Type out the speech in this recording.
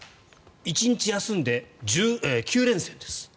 １日休んで９連戦です。